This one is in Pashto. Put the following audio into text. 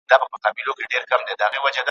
یاران به خوښ وي رقیب له خوار وي ,